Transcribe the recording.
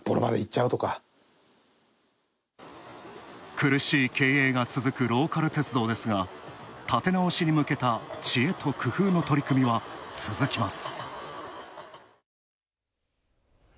苦しい経営が続くローカル鉄道ですが立て直しに向けた、知恵と工夫の取り組みは続きます。